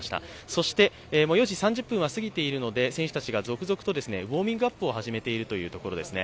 そして、４時３０分過ぎているので、選手たちは続々とウォーミングアップを始めているところですね。